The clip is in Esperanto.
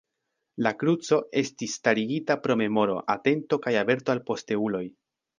La kruco estis starigita pro memoro, atento kaj averto al posteuloj.